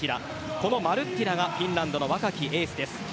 このマルッティラがフィンランドの若きエースです。